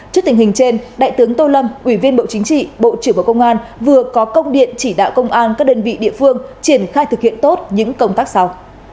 trước tình hình trên đại tướng tô lâm ủy viên bộ chính trị bộ trưởng bộ công an vừa có công điện chỉ đạo công an các đơn vị địa phương triển khai thực hiện tốt những công tác sau